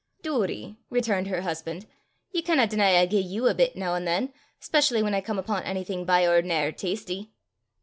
"Doory," returned her husband, "ye canna deny I gie ye a bit noo an' than, specially whan I come upo' onything by ord'nar tasty!"